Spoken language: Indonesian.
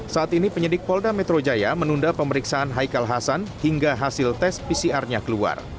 saat ini penyidik polda metro jaya menunda pemeriksaan haikal hasan hingga hasil tes pcr nya keluar